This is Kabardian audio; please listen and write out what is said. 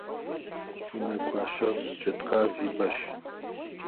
Унэгуащэфӏ джэдкъаз и бэщ.